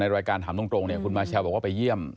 รายการถามตรงคุณมาเชลบอกว่าไปเยี่ยม